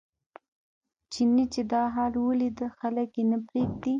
چیني چې دا حال ولیده خلک یې نه پرېږدي.